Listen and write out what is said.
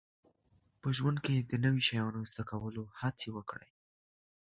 په ژوند کې د نوي شیانو زده کولو هڅې وکړئ